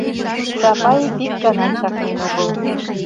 Чапаев ик ганат чакнен огыл!